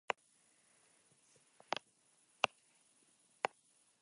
Fue así que empezó a practicar bajo la guía de Shoji Nishio.